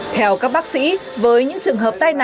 theo các bác sĩ với những trường hợp tai nạn